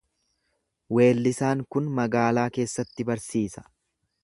Weellisaan kun magaalaa keessatti barsiisa.